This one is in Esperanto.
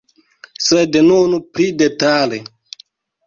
Sed nun pli detale.